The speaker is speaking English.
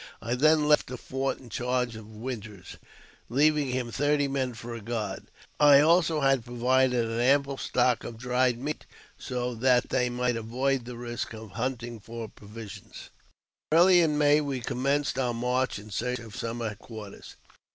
I then left the fort in charge of Winters, leaving him thirty men for a guard. I also 182 AUTOBIOGBAPHY OF ghtl had provided an ample stock of dried meat, so that they mig" avoid the risk of hunting for provisions. Early in May we commenced our march in search of summer quarters.